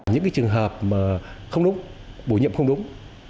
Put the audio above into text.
những trường hợp mà không đúng bổ nhiệm không đúng